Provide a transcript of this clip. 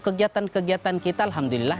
kegiatan kegiatan kita alhamdulillah